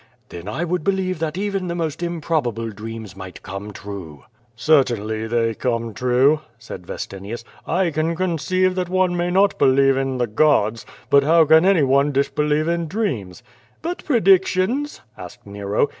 "Then I would believe that even the most improbable dreams might come true." QUO VADI8. 63 "Certainly they come true," said Vestinius. "I can con ceive that one may not beheve in the gods, but how can any one disbelieve in dreams?*' "But predictions ?'' asked Nero.